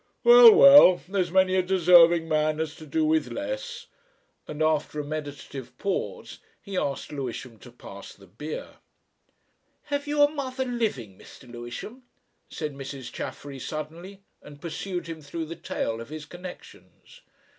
Well, well there's many a deserving man has to do with less," and after a meditative pause he asked Lewisham to pass the beer. "Hev you a mother living, Mr. Lewisham?" said Mrs. Chaffery suddenly, and pursued him through the tale of his connexions.